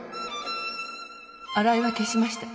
新井は消しました